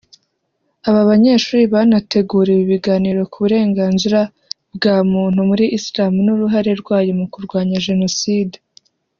aba banyeshuri banateguriwe ibiganiro ku burenganizra bwa muntu muri Islam n’uruhare rwayo mu kurwanya Jenoside